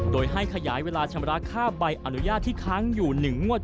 โดยให้ขยายเวลาชำระค่าใบอนุญาตที่ค้างอยู่๑งวด